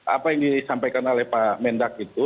apa yang disampaikan oleh pak mendak itu